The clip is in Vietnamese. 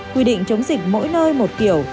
quy định chống dịch mỗi nơi một kiểu